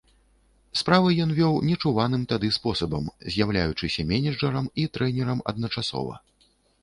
Справы ён вёў нечуваным тады спосабам, з'яўляючыся менеджарам і трэнерам адначасова.